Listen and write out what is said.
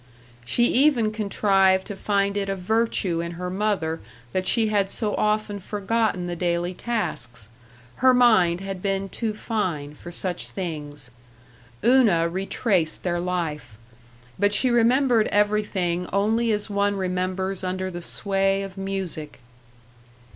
She even contrived to find it a virtue in her mother that she had so often forgotten the daily tasks her mind had been too fine for such things.... Una retraced their life. But she remembered everything only as one remembers under the sway of music.